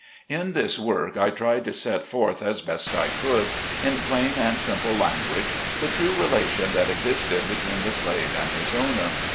In this work I tried to set forth as best I could, in plain and simple language, the true relation that existed between the slave and his owner.